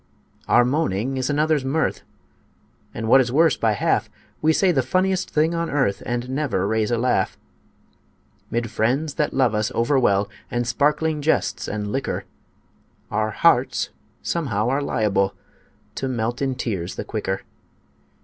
Our moaning is another's mirth, And what is worse by half, We say the funniest thing on earth And never raise a laugh: Mid friends that love us overwell, And sparkling jests and liquor, Our hearts somehow are liable To melt in tears the quicker.